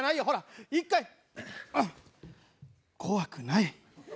怖くない。